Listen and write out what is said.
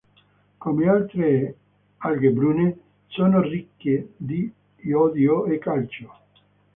Come altre alghe brune sono ricche di iodio e calcio.